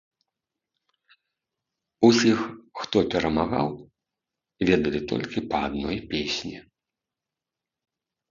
Усіх, хто перамагаў, ведалі толькі па адной песні.